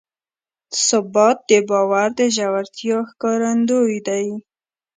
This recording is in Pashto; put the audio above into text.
ثبات د باور د ژورتیا ښکارندوی دی.